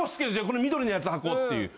この緑のやつ履こうっていう。